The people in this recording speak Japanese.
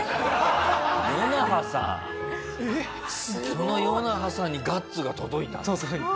そのヨナハさんにガッツが届いたんだ。